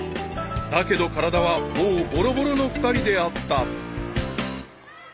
［だけど体はもうボロボロの２人であった］